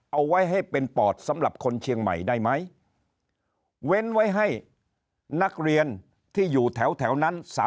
เอาไว้ให้เป็นปอดสำหรับคนเชียงใหม่ได้ไหมเว้นไว้ให้นักเรียนที่อยู่แถวนั้น